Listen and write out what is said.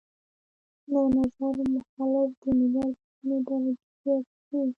د نظر مخالف د ملي ارزښتونو درګډ وي.